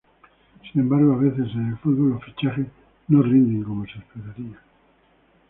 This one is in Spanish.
Sin embargo, a veces en el fútbol los fichajes no rinden como se espera.